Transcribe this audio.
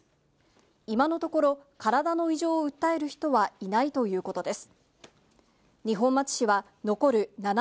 今のところ、体の異常を訴える人はいないということです。